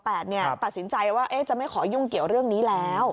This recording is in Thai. ตัดสินใจว่าจะไม่ขอยุ่งเกี่ยวเรื่องนี้แล้ว